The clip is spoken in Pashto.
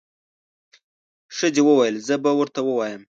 ښځې وويل زه به ورته ووایم.